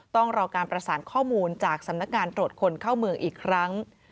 ต้องรอการประสานข้อมูลจากสำนักงานตรวจคนเข้าเมืองอีกครั้ง